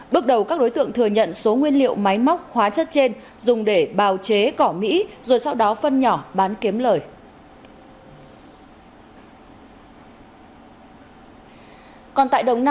bước đầu các đối tượng thừa nhận số nguyên liệu máy móc hóa chất trên dùng để bào chế cỏ mỹ rồi sau đó phân nhỏ bán kiếm lời